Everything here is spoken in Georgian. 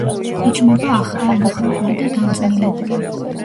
იჭმება ახალი, მოხრაკული და დამწნილებული.